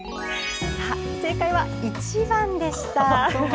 正解は１番でした。